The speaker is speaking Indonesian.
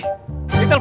aduh lucu bareng